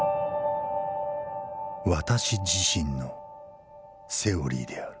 私自身のセオリーである」。